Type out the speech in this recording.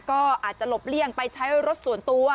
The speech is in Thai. ก็อาจจะหลบเลี่ยงไปใช้รถส่วนตัว